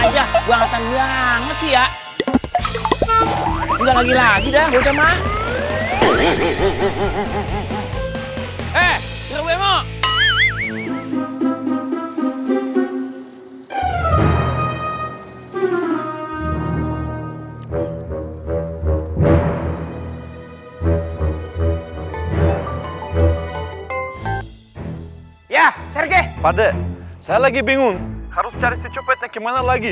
you are low hai ya sergi padet saya lagi bingung harus cari situ pete gimana lagi